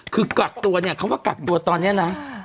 คือกักตัวเนี่ยคำว่ากักตัวตอนนี้นะ